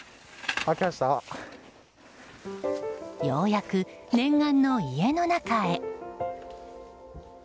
ようやく念願の家の中へ。